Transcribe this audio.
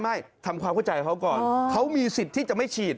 ไม่ทำความเข้าใจเขาก่อนเขามีสิทธิ์ที่จะไม่ฉีด